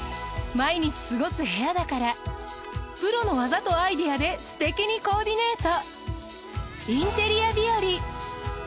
毎日過ごす部屋だからプロの技とアイデアですてきにコーディネート。